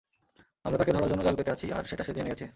আমরা তাকে ধরার জন্য জাল পেতে আছি আর সেটা সে জেনে গেছে।